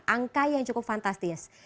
angka yang cukup fantastis